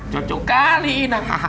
jujur kali inang